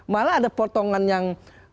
malah ada potongan yang